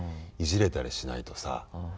いじれたりしないとさ。